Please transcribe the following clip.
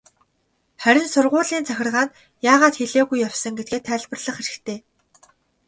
Харин сургуулийн захиргаанд яагаад хэлээгүй явсан гэдгээ тайлбарлах хэрэгтэй.